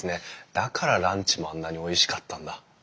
だからランチもあんなにおいしかったんだ。